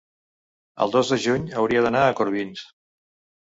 el dos de juny hauria d'anar a Corbins.